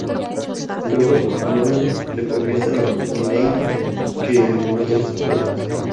Luego Loran le confiesa a O'Neill que el mato a sus padres.